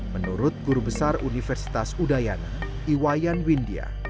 menurut guru besar universitas udayana iwayan windia